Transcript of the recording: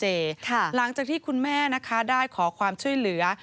หลังจากที่คุณแม่นะคะได้ขอความช่วยเหลือ